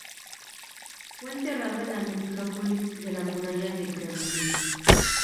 Fue enterrado en la Necrópolis de la Muralla del Kremlin.